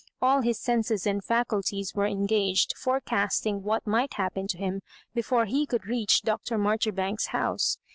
All his senses and faculties were engaged forecasting what might happen to him before he could reach Dr. Marjoribanks's house.